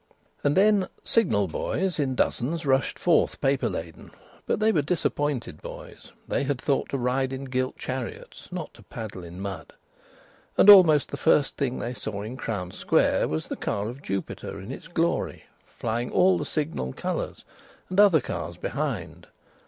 And then Signal boys in dozens rushed forth paper laden, but they were disappointed boys; they had thought to ride in gilt chariots, not to paddle in mud. And almost the first thing they saw in Crown Square was the car of Jupiter in its glory, flying all the Signal colours; and other cars behind.